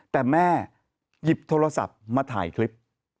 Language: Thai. แต่แม่หยิบโทรศัพท์มาถ่ายคลิป